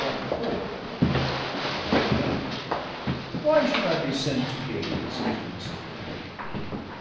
What for? what have I gained? why should I be sent to gaze into this well?'